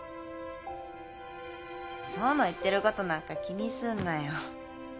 奏の言ってることなんか気にすんなよ。